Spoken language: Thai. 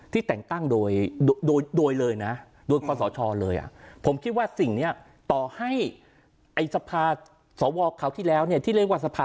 ที่แต่งตั้งโดยเลยนะโดยขวาศชลเลยอะ